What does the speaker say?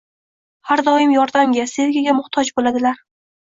Har doim yordamga, sevgiga muhtoj boʻladilar.